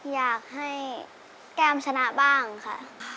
อยากให้แก้มชนะบ้างค่ะ